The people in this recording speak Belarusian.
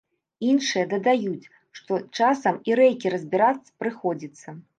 Іншыя дадаюць, што часам і рэйкі разбіраць прыходзіцца.